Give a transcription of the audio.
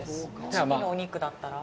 次のお肉だったら？